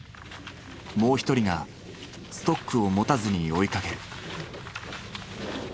もう一人がストックを持たずに追いかける。